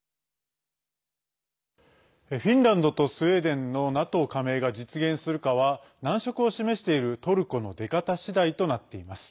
フィンランドとスウェーデンのＮＡＴＯ加盟が実現するかは難色を示しているトルコの出方しだいとなっています。